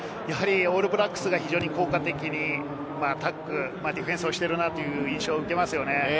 オールブラックスが非常に効果的にタックル、ディフェンスをしているなという印象を受けます。